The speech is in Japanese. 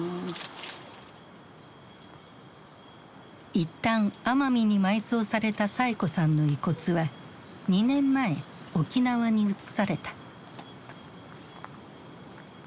一旦奄美に埋葬されたサエ子さんの遺骨は２年前沖縄に移された。